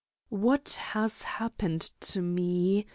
What has happened to me?